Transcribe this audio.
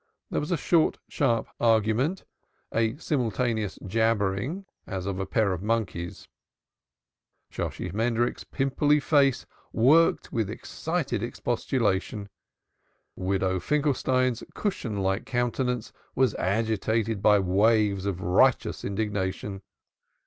There was a short, sharp argument, a simultaneous jabbering, as of a pair of monkeys. Shosshi Shmendrik's pimply face worked with excited expostulation, Widow Finkelstein's cushion like countenance was agitated by waves of righteous indignation.